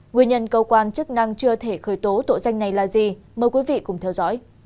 nguyên nhân cơ quan chức năng chưa thể khởi tố tội danh này là gì mời quý vị cùng theo dõi